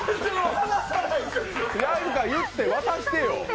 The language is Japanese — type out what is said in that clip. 何か言って渡してよ。